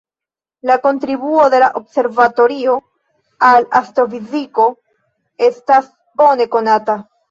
La kontribuo de la observatorio al astrofiziko estas bone konata.